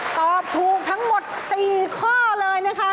ตอบถูกทั้งหมด๔ข้อเลยนะคะ